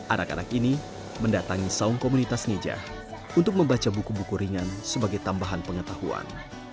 anak anak ini mendatangi saung komunitas ngeja untuk membaca buku buku ringan sebagai tambahan pengetahuan